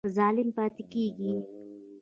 ظلم پاتی کیږي؟